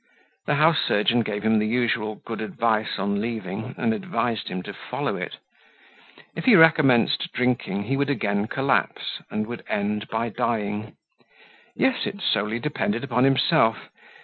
The house surgeon gave him the usual good advice on leaving and advised him to follow it. If he recommenced drinking, he would again collapse and would end by dying. Yes, it solely depended upon himself.